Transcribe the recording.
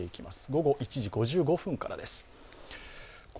午後１時５５分からです。